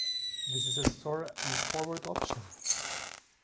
This is a store and forward option.